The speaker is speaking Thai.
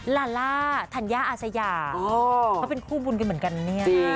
ลาล่าธัญญาอาสยาเขาเป็นคู่บุญกันเหมือนกันเนี่ย